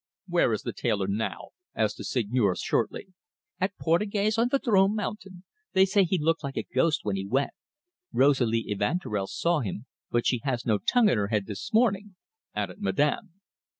"Where is the tailor now?" said the Seigneur shortly. "At Portugais's on Vadrome Mountain. They say he looked like a ghost when he went. Rosalie Evanturel saw him, but she has no tongue in her head this morning," added Madame.